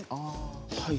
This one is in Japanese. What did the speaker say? はい。